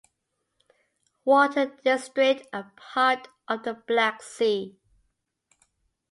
Water District are part of the Black Sea.